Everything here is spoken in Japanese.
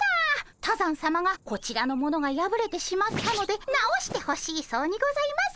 多山さまがこちらのものがやぶれてしまったので直してほしいそうにございます。